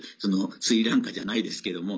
スリランカじゃないですけれども。